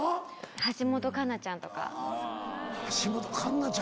橋本環奈ちゃん。